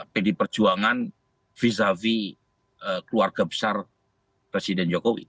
pdi perjuangan vizavi keluarga besar presiden jokowi